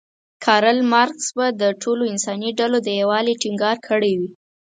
کارل مارکس به د ټولو انساني ډلو د یووالي ټینګار کړی وی.